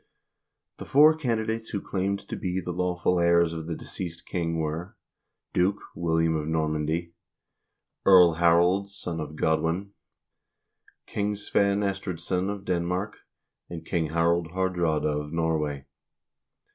The four candidates who claimed to be the lawful heirs of the deceased king were: Duke William of Normandy, Earl Harold, son of Godwin, King Svein Estridsson of Denmark, and King Harald Haardraade of Norway.